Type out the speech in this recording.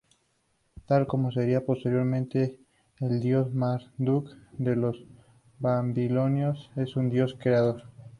Tal como sería posteriormente el dios Marduk de los babilonios, es un dios creador.